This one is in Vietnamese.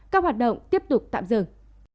năm các hoạt động tiếp tục tạm dừng